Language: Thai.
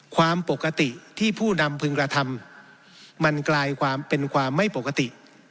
ความปกติที่ผู้นำพึงกระทำมันกลายความเป็นความไม่ปกติ